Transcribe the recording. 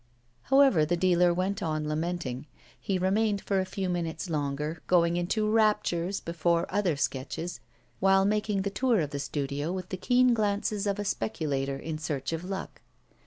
However, the dealer went on lamenting. He remained for a few minutes longer, going into raptures before other sketches, while making the tour of the studio with the keen glances of a speculator in search of luck.